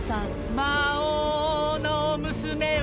魔王の娘は